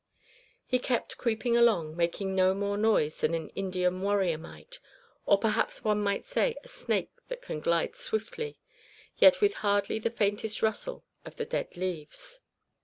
He kept creeping along, making no more noise than an Indian warrior might; or perhaps one might say, a snake that can glide swiftly, yet with hardly the faintest rustle of the dead leaves.